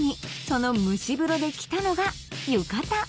その蒸し風呂で着たのが浴衣